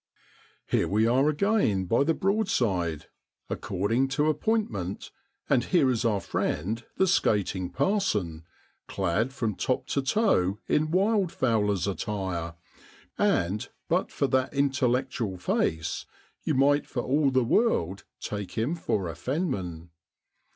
Here we are again by the Broadside, according to appointment, and here is our friend the skating parson, clad from top to toe in wild fowler's attire, and but for that intellectual face, you might for all the world take him for a fenman.